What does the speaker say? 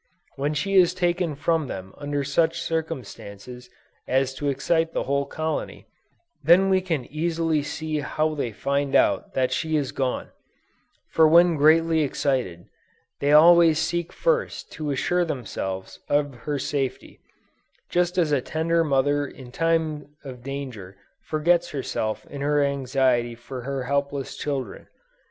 When she is taken from them under such circumstances as to excite the whole colony, then we can easily see how they find out that she is gone; for when greatly excited, they always seek first to assure themselves of her safety; just as a tender mother in time of danger forgets herself in her anxiety for her helpless children!